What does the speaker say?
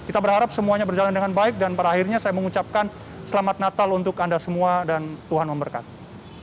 kita berharap semuanya berjalan dengan baik dan pada akhirnya saya mengucapkan selamat natal untuk anda semua dan tuhan memberkati